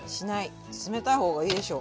冷たい方がいいでしょ。